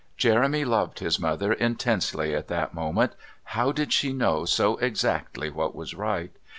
Jeremy loved his mother intensely at that moment. How did she know so exactly what was right?